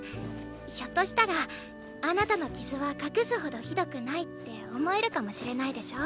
ひょっとしたらあなたの傷は隠すほどひどくないって思えるかもしれないでしょ？